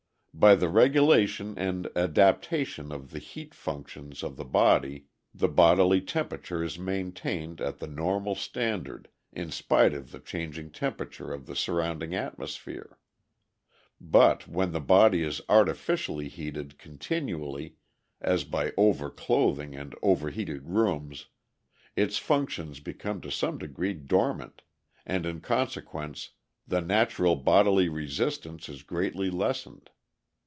By the regulation and adaptation of the heat functions of the body the bodily temperature is maintained at the normal standard in spite of the changing temperature of the surrounding atmosphere. But when the body is artificially heated continually, as by over clothing and over heated rooms, its functions become to some degree dormant, and in consequence the natural bodily resistance is greatly lessened.